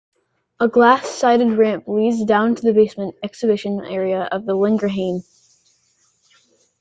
A glass-sided ramp leads down to the basement exhibition area of the Lengerhane.